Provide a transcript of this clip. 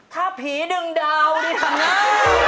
ถ้าผีดึงดาวดิทำงาน